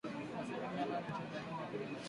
asilimi nane nchini Tanzania, kumi na tatun